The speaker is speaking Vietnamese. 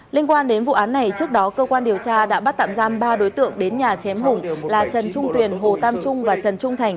liên quan đến vụ án này trước đó cơ quan điều tra đã bắt tạm giam ba đối tượng đến nhà chém hùng là trần trung tuyền hồ tam trung và trần trung thành